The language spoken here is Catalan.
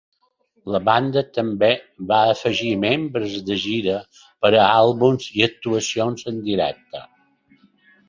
La banda també va afegir membres de gira per a àlbums i actuacions en directe.